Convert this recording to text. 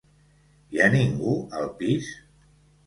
Hi ha ningú al pis?